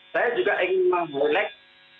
saya juga ingin meng voleks